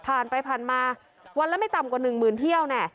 ผ่านไปผ่านมาวันละไม่ต่ำกว่า๑หมื่นเที่ยวแน่